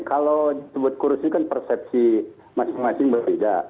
kalau disebut kurus ini kan persepsi masing masing berbeda